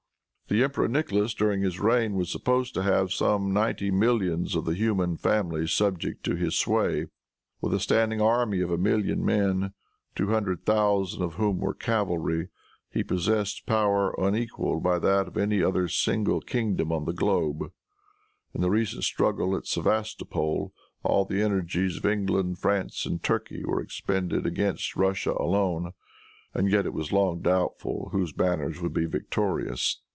The Emperor Nicholas, during his reign, was supposed to have some ninety millions of the human family subject to his sway. With a standing army of a million of men, two hundred thousand of whom were cavalry, he possessed power unequaled by that of any other single kingdom on the globe. In the recent struggle at Sevastopol all the energies of England, France and Turkey were expended against Russia alone, and yet it was long doubtful whose banners would be victorious.